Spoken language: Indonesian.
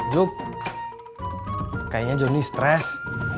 juk kayaknya johnny stres